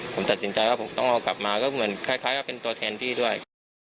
ผมตัดสินใจว่าผมต้องเอากลับมาก็เหมือนคล้ายกับเป็นตัวแทนพี่ด้วย